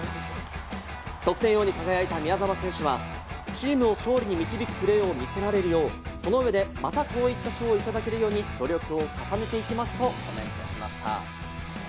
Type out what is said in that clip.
得点王に輝いた宮澤選手は、チームを勝利に導びくプレーを見せられるよう、その上でまたこういった賞をいただけるように努力を重ねていきますとコメントしました。